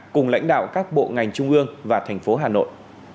cùng lãnh đạo các bộ ngành trung ương và thành phố hà nội